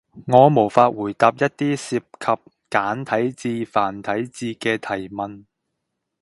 我無法回答一啲涉及簡體字、繁體字嘅提問